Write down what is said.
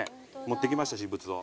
持ってきました私物を。